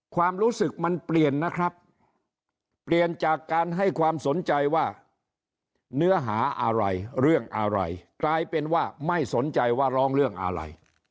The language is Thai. ความรู้สึกมันเปลี่ยนนะครับเปลี่ยนจากการให้ความสนใจว่าเนื้อหาอะไรเรื่องอะไรกลายเป็นว่าไม่สนใจว่าร้องเรื่องอะไร